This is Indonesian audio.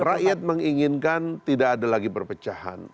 rakyat menginginkan tidak ada lagi perpecahan